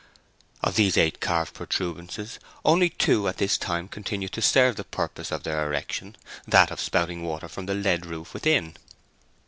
Of these eight carved protuberances only two at this time continued to serve the purpose of their erection—that of spouting the water from the lead roof within.